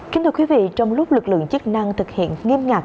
kính thưa quý vị trong lúc lực lượng chức năng thực hiện nghiêm ngặt